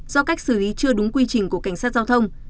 do cách xử lý chưa đúng quy trình của cảnh sát giao thông